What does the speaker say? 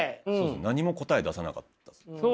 何も答え出さなかったですね。